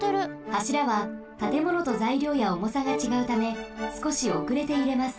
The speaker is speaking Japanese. はしらはたてものとざいりょうやおもさがちがうためすこしおくれてゆれます。